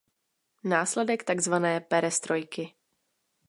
Následek takzvané Perestrojky.